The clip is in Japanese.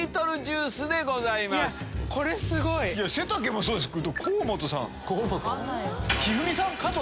背丈もそうですけど。